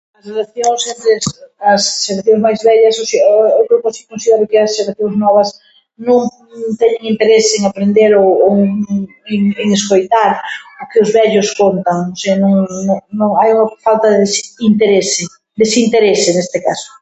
Xeracións, as xeracións máis vellas [unintelligible] considero que as xeracións novas non teñen interese en aprender ou ou en en en escoitar o que os vellos contan, senón hai unha falta de interese, desinterese neste caso.